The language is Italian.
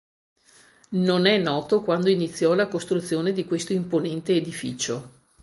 Non è noto quando iniziò la costruzione di questo imponente edificio.